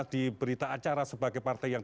di berita acara sebagai partai yang